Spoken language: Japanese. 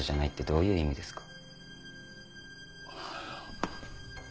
どういう意味ですか？